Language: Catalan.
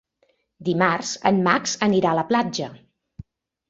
Dimarts en Max anirà a la platja.